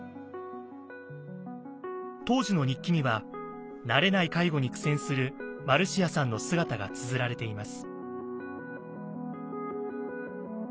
当時の日記には慣れない介護に苦戦するマルシアさんの姿がつづられています。